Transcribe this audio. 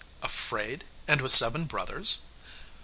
'Afraid! and with seven brothers!